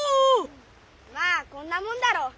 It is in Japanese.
まあこんなもんだろ。